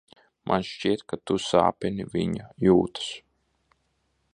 Man šķiet, ka tu sāpini viņa jūtas.